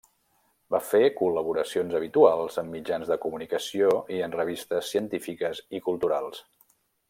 Va fer col·laboracions habituals en mitjans de comunicació i en revistes científiques i culturals.